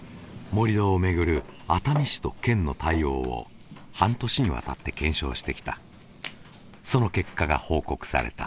盛り土をめぐる熱海市と県の対応を半年にわたって検証してきたその結果が報告された